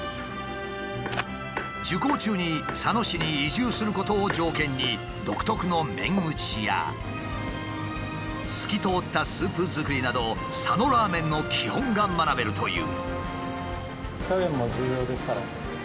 受講中に佐野市に移住することを条件に独特の麺打ちや透き通ったスープ作りなど佐野ラーメンの基本が学べるという。